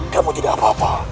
kamu tidak apa apa